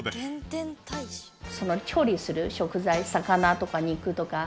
その調理する食材魚とか肉とか。